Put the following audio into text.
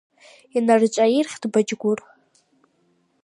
Инарҿаирхьт Баџьгәыр.